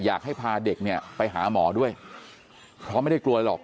อยากให้พาเด็กเนี่ยไปหาหมอด้วยเพราะไม่ได้กลัวหรอก